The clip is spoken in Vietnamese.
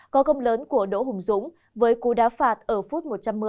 có công lớn của đỗ hùng dũng với cú đá phạt ở phút một trăm một mươi